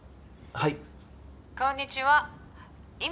はい。